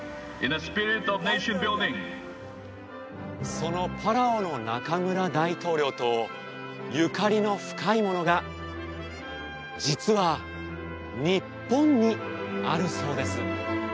そのパラオのナカムラ大統領とゆかりの深いものが実は日本にあるそうです